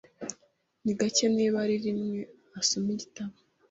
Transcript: Ni gake, niba ari rimwe, asoma igitabo .